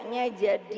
negeri yang jadi